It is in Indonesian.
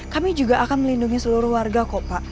kami juga akan melindungi seluruh warga kok pak